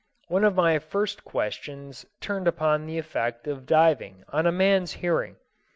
One of my first questions turned upon the effect of diving on a man's hearing.